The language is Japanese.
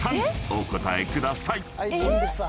お答えください］え